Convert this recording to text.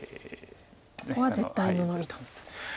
ここは絶対のノビと。